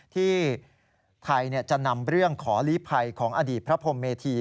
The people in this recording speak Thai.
ที่ไทยจะนำเรื่องขอลีภัยของอดีตพระพรมเมธี